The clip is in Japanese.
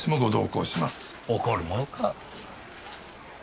怒るものか。